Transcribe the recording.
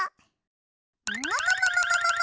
ももももももも！